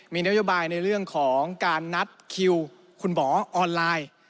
มีนโยบายในเรื่องของการนัดคิวคุณหมอออนไลน์